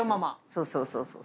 そうそうそうそう。